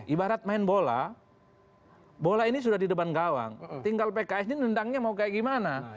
ibarat main bola bola ini sudah di depan gawang tinggal pks ini nendangnya mau kayak gimana